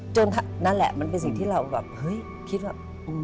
นั่นแหละมันเป็นสิ่งที่เราแบบเฮ้ยคิดว่า